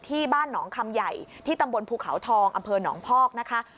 ที่บ้านหนองคำใหญ่ที่ตำบลภูเขาทองอำเภอหนองพอกนะคะ